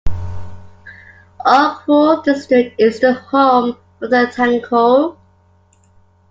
Ukhrul district is the home of the Tangkhul.